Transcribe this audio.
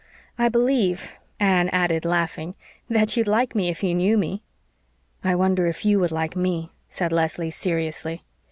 I believe," Anne added, laughing, "that you'd like me if you knew me." "I wonder if YOU would like ME," said Leslie seriously.